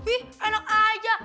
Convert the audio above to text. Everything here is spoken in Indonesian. ih enak aja